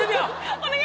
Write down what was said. お願い？